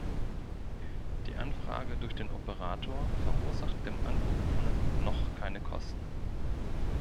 Die Anfrage durch den Operator verursacht dem Angerufenen noch keine Kosten.